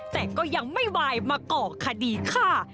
แต่ก็ยังไม่วายมาก่อคดีฆ่า